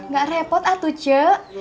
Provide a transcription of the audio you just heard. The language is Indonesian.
gak repot atu cuk